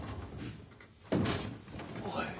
おい。